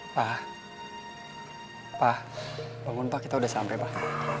pak pak bangun pak kita udah sampe pak